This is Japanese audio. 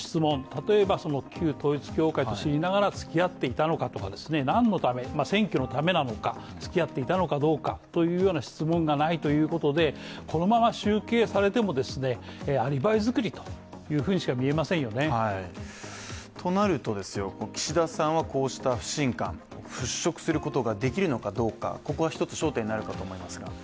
例えば旧統一教会と知りながらつきあっていたのかとか、何のため、選挙のためにつきあっていたのかどうかという質問がないということでこのまま集計されてもアリバイ作りというふうにしか見えませんよねとなると、岸田さんはこうした不信感を払拭することができるのかどうか、ここが一つ、焦点になるかと思いますが。